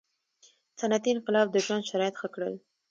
• صنعتي انقلاب د ژوند شرایط ښه کړل.